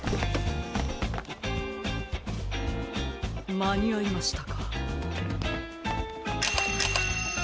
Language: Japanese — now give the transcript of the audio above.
まにあいましたか？